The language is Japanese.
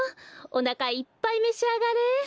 おなかいっぱいめしあがれ！